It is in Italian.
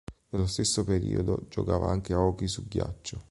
Nello stesso periodo giocava anche ad hockey su ghiaccio.